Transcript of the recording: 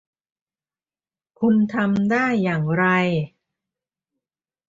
คุณทำได้อย่างไร ?